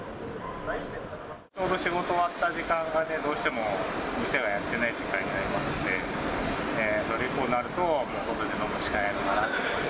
ちょうど仕事終わった時間が、どうしても店がやってない時間になりますので、それ以降になると、外で飲むしかないのかなって。